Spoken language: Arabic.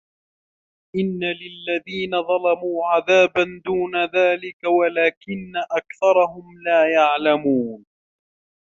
وَإِنَّ لِلَّذِينَ ظَلَمُوا عَذَابًا دُونَ ذَلِكَ وَلَكِنَّ أَكْثَرَهُمْ لَا يَعْلَمُونَ